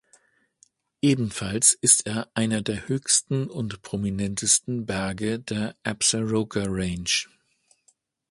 Ebenfalls ist er einer der höchsten und prominentesten Berge der Absaroka Range.